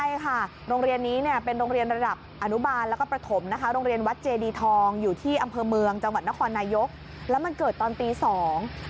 ใช่ค่ะโรงเรียนนี้เนี่ยเป็นโรงเรียนระดับอนุบาลแล้วก็ประถมนะคะโรงเรียนวัดเจดีทองอยู่ที่อำเภอเมืองจังหวัดนครนายกแล้วมันเกิดตอนตีสอง